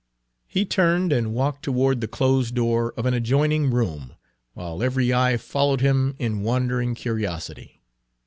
He turned and walked toward the closed door of an adjoining room, while every eye followed him in wondering curiosity.